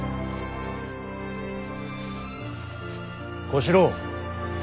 小四郎。